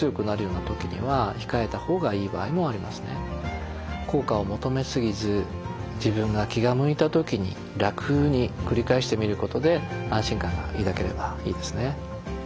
ただ効果を求めすぎず自分が気が向いたときに楽に繰り返してみることで安心感が抱ければいいですね。